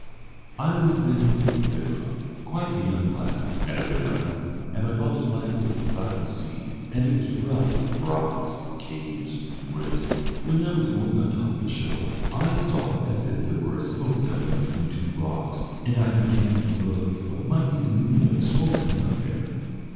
"I was then," said Conall, quite a young lad, and I went out hunting, and my father's land was beside the sea, and it was rough with rocks, caves, and rifts. When I was going on the top of the shore, I saw as if there were a smoke coming up between two rocks, and I began to look what might be the meaning of the smoke coming up there.